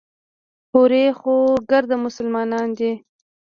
هورې خو ګرده مسلمانان دي.